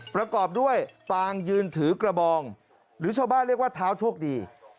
ประกอบด้วยปางยืนถือกระบองหรือชาวบ้านเรียกว่าเท้าโชคดี